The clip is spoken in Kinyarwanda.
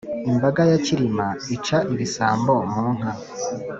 imbaga ya cyilima ica ibisambo mu nka.